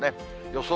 予想